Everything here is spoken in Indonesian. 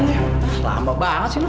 lama banget sih ini makanannya